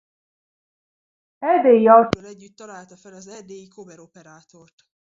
Erdélyi Artúrral együtt találta fel az Erdélyi–Kober-operátort.